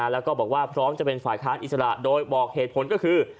แล้วก็บอกว่าพร้อมจะเป็นฝ่ายค้านอิสระโดยบอกเหตุผลก็คือ